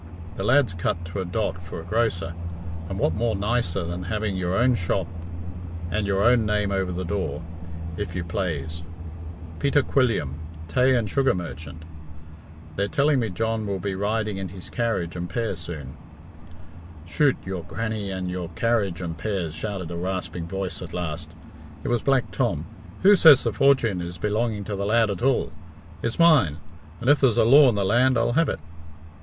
The lad's cut to a dot for a grocer, and what more nicer than having your own shop and your own name over the door, if you plaze ' Peter Quilliam, tay and sugar merchant!' they're telling me John will be riding in his carriage and pair soon." "Chut! your grannie and your carriage and pairs," shouted a rasping voice at last. It was Black Tom. "Who says the fortune is belonging to the lad at all? It's mine, and if there's law in the land I'll have it."